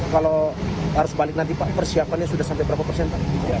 kalau harus balik nanti pak persiapannya sudah sampai berapa persentase